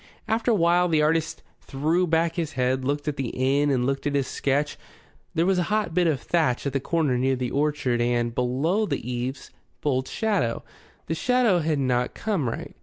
After a while the artist threw back his head, looked at the inn and looked at his sketch. There was a hot bit of thatch at the corner near the orchard, and, below the eaves, bold shadow. The shadow had not come right.